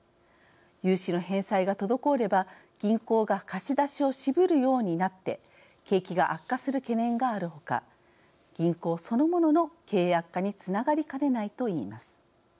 融資の返済が滞れば、銀行が貸し出しを渋るようになって景気が悪化する懸念がある他銀行そのものの経営悪化につながりかねないと言います。